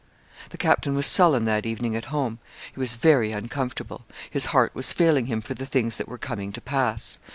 The captain was sullen that evening at home. He was very uncomfortable. His heart was failing him for the things that were coming to pass.